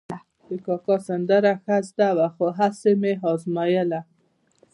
د کاکا سندره ښه زده وه، خو هسې مې ازمایله.